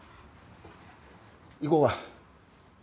行こうか。